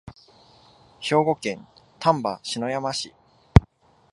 兵庫県丹波篠山市